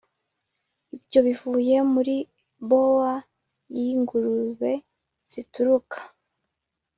ibyo bivuye muri bower yingurube zitukura